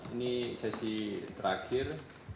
ini sesi terakhir